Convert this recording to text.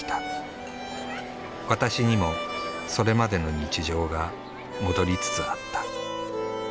「ワタシ」にもそれまでの日常が戻りつつあった。